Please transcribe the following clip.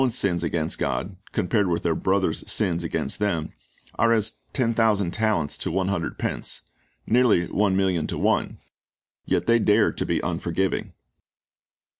TJic Measure of For giv e ne s s 247 against God, compared with their brother's sins against them, are as ten thousand talents to one hundred pence, — nearly one million to one; yet they dare to be unforgiving.